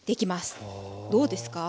どうですか？